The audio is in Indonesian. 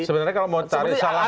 sebenarnya kalau mau tarik soal